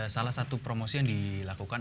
salah satu promosi yang dilakukan